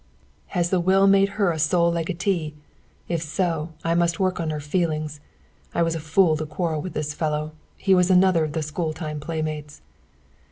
"Has the will made her a sole legatee? If so, I must work on her feelings. I was a fool to quarrel with this fellow. He was another of the school time playmates!"